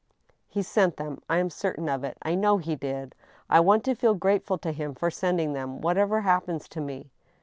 " He sent them — I am certain of it* I know he did. I want to feel grateful to him for sending them, whatever happens to me."